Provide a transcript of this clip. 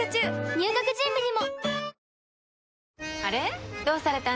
入学準備にも！